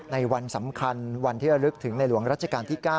ในวันสำคัญวันที่ระลึกถึงในหลวงรัชกาลที่๙